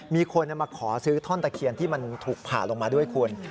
มีคนมาขอซื้อท่อนตะเคียนที่มันถูกผ่าลงมาด้วยคุณ